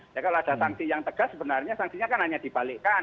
ya kalau ada sanksi yang tegas sebenarnya sanksinya kan hanya dibalikkan